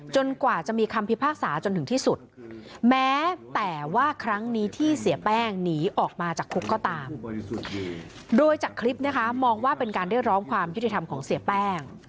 กว่าจะมีคำพิพากษาจนถึงที่สุดแม้แต่ว่าครั้งนี้ที่เสียแป้งหนีออกมาจากคุกก็ตามโดยจากคลิปนะคะมองว่าเป็นการเรียกร้องความยุติธรรมของเสียแป้ง